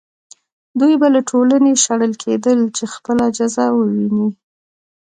دوی به له ټولنې شړل کېدل چې خپله جزا وویني.